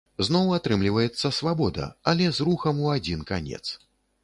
Зноў атрымліваецца свабода, але з рухам у адзін канец.